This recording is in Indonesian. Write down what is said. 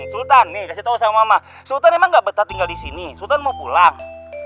sultan nih kasih tahu sama mama sultan emang gak betah tinggal di sini sultan mau pulang